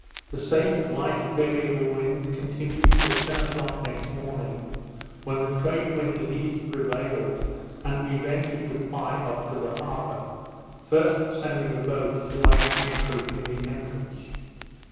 The same light variable wind continued till ten o'clock next morning, when the trade wind at east prevailed, and we ventured to ply up to the harbour, first sending a boat to lie in anchorage in the entrance.